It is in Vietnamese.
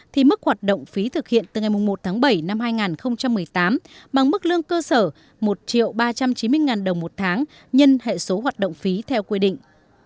thì mức hoạt động phí thực hiện từ ngày một tháng bảy năm hai nghìn một mươi tám bằng mức lương cơ sở một ba trăm chín mươi đồng một tháng nhân hệ số hoạt động phí theo quy định